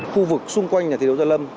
khu vực xung quanh nhà thi đấu gia lâm